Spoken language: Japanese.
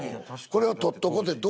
それを取っとこうって。